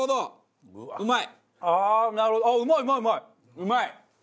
うまい！